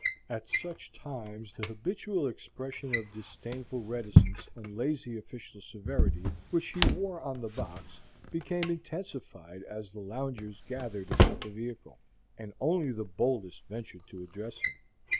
At such times the habitual expression of disdainful reticence and lazy official severity which he wore on the box became intensified as the loungers gathered about the vehicle, and only the boldest ventured to address him.